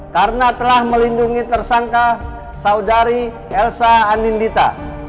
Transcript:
karena telah melindungi tersangka saudari elsa anindita